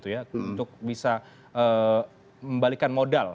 untuk bisa membalikan modal